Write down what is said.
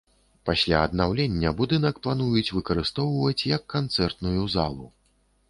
Пасля аднаўлення будынак плануюць выкарыстоўваць як канцэртную залу.